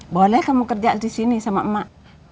boleh kamu kerja disini sama emak